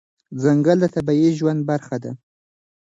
ځنګل د طبیعي ژوند برخه ده.